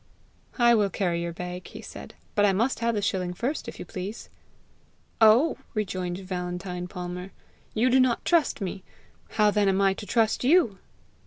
"I will carry your bag," he said, "but I must have the shilling first, if you please." "Oh!" rejoined Valentine Palmer. "You do not trust me! How then am I to trust you?"